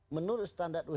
menurut standar who